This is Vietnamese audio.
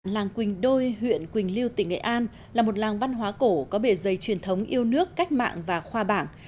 làng quỳnh đôi huyện quỳnh lưu tỉnh nghệ an là một làng văn hóa cổ có bề dày truyền thống yêu nước cách mạng và khoa bảng